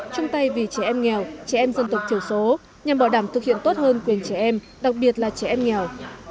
trung tay vì trẻ em nghèo trẻ em dân tộc thiểu số nhằm bảo đảm thực hiện tốt hơn quyền trẻ em đặc biệt là trẻ em nghèo